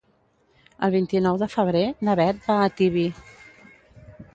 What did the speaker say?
El vint-i-nou de febrer na Bet va a Tibi.